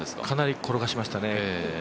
かなり転がしましたね。